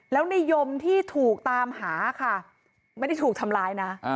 แล้วในยมที่ถูกตามหาค่ะไม่ได้ถูกทำร้ายนะ